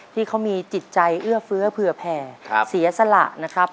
ที่เขามีจิตใจเอื้อเฟื้อเผื่อแผ่เสียสละนะครับ